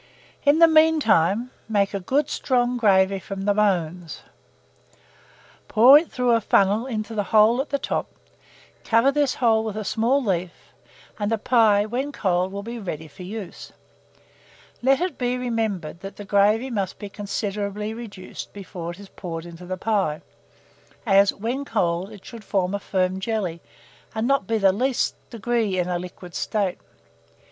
In the mean time, make a good strong gravy from the bones, pour it through a funnel into the hole at the top; cover this hole with a small leaf, and the pie, when cold, will be ready for use. Let it be remembered that the gravy must be considerably reduced before it is poured into the pie, as, when cold, it should form a firm jelly, and not be the least degree in a liquid state.